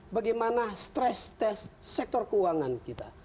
bagaimana stress test sektor keuangan kita